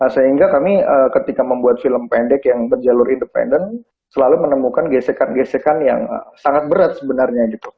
sehingga kami ketika membuat film pendek yang berjalur independen selalu menemukan gesekan gesekan yang sangat berat sebenarnya gitu